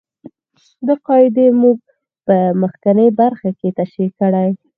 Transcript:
دا قاعدې موږ په مخکینۍ برخه کې تشرېح کړې.